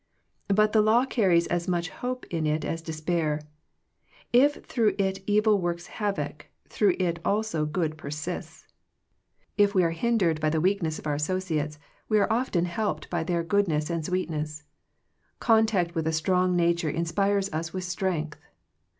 But the law carries as much hope in it as despair. If through it evil works havoc, through it also good persists. If we are hindered 89 Digitized by VjOOQIC THE CHOICE OF FRIENDSHIP by the weakness of our associates, we are often helped by their goodness and sweetness. Contact with a strong na ture inspires us with strength.